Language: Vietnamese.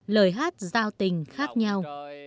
lời hát giao tình khác nhau